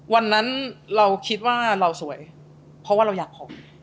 วันนั้นเราคิดว่าเราสวยเพราะว่าเราอยากขอ